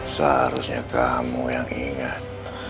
seharusnya kamu yang ingat